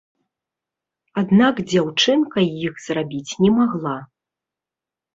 Аднак дзяўчынка іх зрабіць не магла.